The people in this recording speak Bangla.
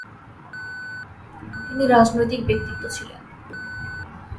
তিনি রাজনৈতিক ব্যক্তিত্ব ছিলেন।